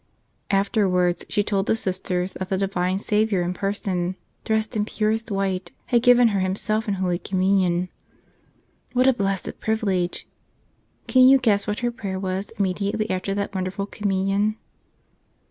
Afterwards she told the Sisters that the Divine Savior in person, dressed in purest white, had given her Himself in Holy Com¬ munion. What a blessed privilege! Can you guess what her prayer was immediately after that wonder¬ ful Communion?